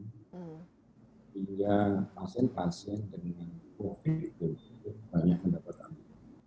sehingga pasien pasien dengan covid sembilan belas itu banyak mendapat ambil